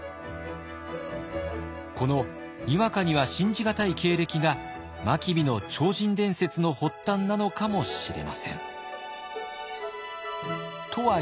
このにわかには信じがたい経歴が真備の超人伝説の発端なのかもしれません。